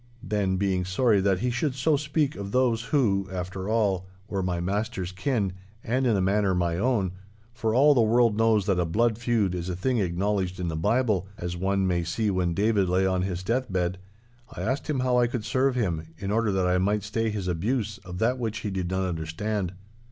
Then, being sorry that he should so speak of those who, after all, were my master's kin and in a manner my own—for all the world knows that a blood feud is a thing acknowledged in the Bible, as one may see when David lay on his deathbed—I asked him how I could serve him, in order that I might stay his abuse of that which he did not understand.